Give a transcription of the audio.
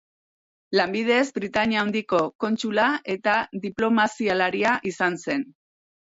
Lanbidez Britainia Handiko kontsula eta diplomazialaria izan zen.